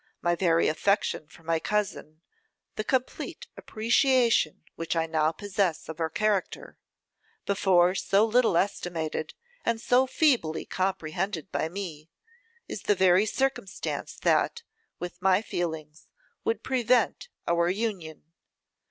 My very affection for my cousin, the complete appreciation which I now possess of her character, before so little estimated and so feebly comprehended by me, is the very circumstance that, with my feelings, would prevent our union.